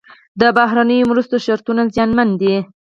د بهرنیو مرستو شرطونه زیانمن دي.